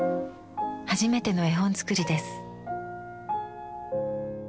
初めての絵本作りです。